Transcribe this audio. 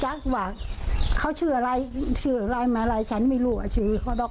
จัดหวังเขาชื่ออะไรมีอะไรฉันไม่รู้